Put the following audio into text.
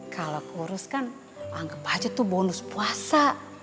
kalau kurus kan anggap aja tuh bonus puasa